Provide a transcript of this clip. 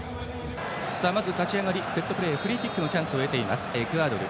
まず立ち上がり、セットプレーフリーキックのチャンスエクアドル。